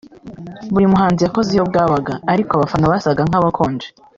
Buri muhanzi yakoze iyo bwabaga ariko abafana basaga nk’abakonje